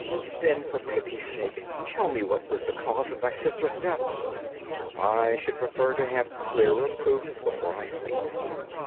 "Then, for pity's sake, tell me what was the cause of my sister's death." "I should prefer to have clearer proofs before I speak."